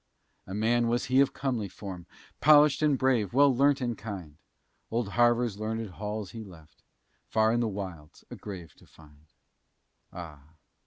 A man was he of comely form, Polished and brave, well learnt and kind; Old Harvard's learned halls he left, Far in the wilds a grave to find. Ah!